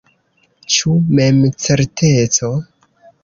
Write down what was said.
Ĉu memcerteco?